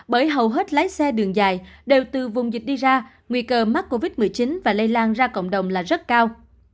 bởi hầu hết lái xe đường dài đều từ vùng dịch đi ra nguy cơ mắc covid một mươi chín và lây lan ra cộng đồng là rất cao